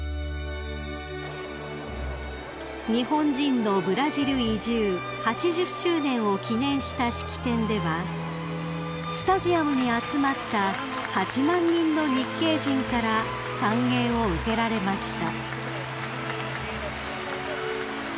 ［日本人のブラジル移住８０周年を記念した式典ではスタジアムに集まった８万人の日系人から歓迎を受けられました］